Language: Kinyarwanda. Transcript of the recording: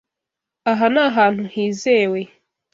Aha ni ahantu hizewe.